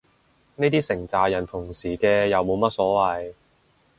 呢啲成咋人同時嘅又冇乜所謂